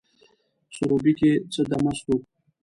سروبي کښي څه دمه سوو